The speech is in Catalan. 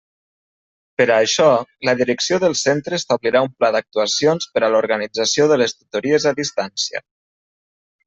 Per a això, la direcció del centre establirà un pla d'actuacions per a l'organització de les tutories a distància.